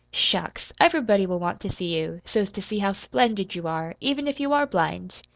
"Shucks! Everybody will want to see you, so's to see how splendid you are, even if you are blind.